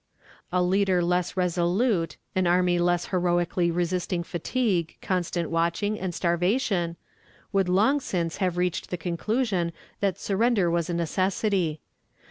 A leader less resolute, an army less heroically resisting fatigue, constant watching, and starvation, would long since have reached the conclusion that surrender was a necessity.